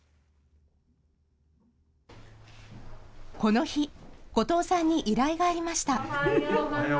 この日、後藤さんに依頼がありました。